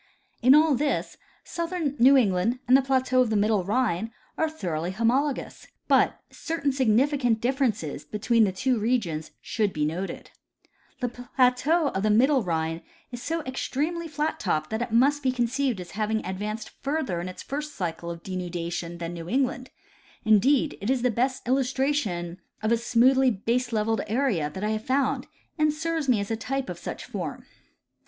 In all this, southern New England and the plateau of the middle Rhine are thoroughly homologous, but certain significant diff'erences between the two regions should be noted: The plateau of the middle Rhine is so extremel}^ flat topped that it must be conceived as having advanced further in its first cycle of denudation than New England ; indeed, it is the best illustration of a smoothly baselevelled" area, that I have found, and serves me as a type of such a form.